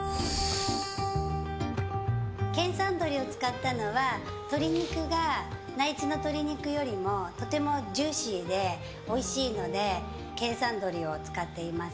県産鶏を使ったのは鶏肉が内地の鶏肉よりもとてもジューシーでおいしいので県産鶏を使っています。